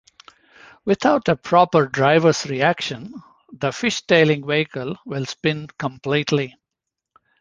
Without a proper driver's reaction, the fishtailing vehicle will spin completely.